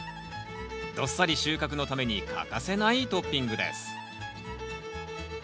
どっさり収穫のために欠かせないトッピングです。